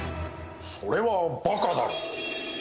それはばかだろ。